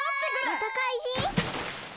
またかいじん？